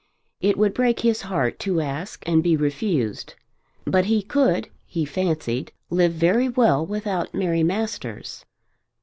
It would break his heart to ask and be refused; but he could, he fancied, live very well without Mary Masters.